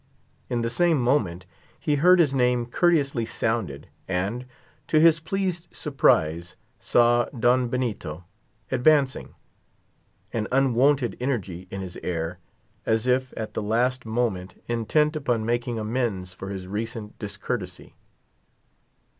In the same moment, he heard his name courteously sounded; and, to his pleased surprise, saw Don Benito advancing—an unwonted energy in his air, as if, at the last moment, intent upon making amends for his recent discourtesy.